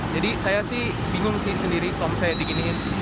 jadi saya sih bingung sih sendiri kalau misalnya diginiin